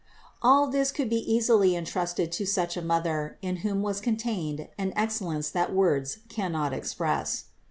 All this could be easily entrusted to such a Mother, in whom was contained an excellence that words cannot express.